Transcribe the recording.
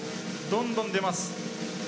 どんどん出ます。